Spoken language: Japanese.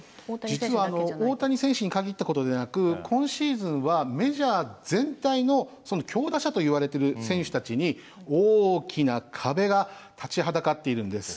実は大谷選手に限ったことでなく今シーズンはメジャー全体の強打者と言われてる選手たちに大きな壁が立ちはだかっているんです。